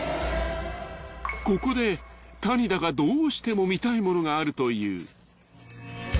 ［ここで谷田がどうしても見たいものがあるという］